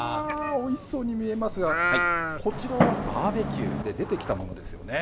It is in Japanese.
おいしそうに見えますがこちらはバーベキューで出てきたものですね。